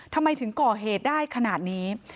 ทำไมถึงก่อเหตุได้ขนาดนี้